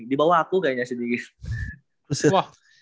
di bawah aku kayaknya sedikit